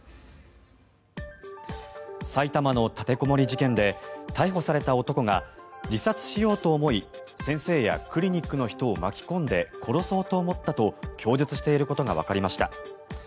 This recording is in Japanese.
埼玉の立てこもり事件で逮捕された男が自殺しようと思い先生やクリニックの人を巻き込んで殺そうと思ったと供述していることがわかりました。